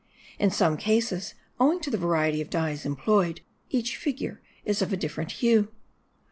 In some cases, owing to the variety of dyes employed, each figure is of a different hue.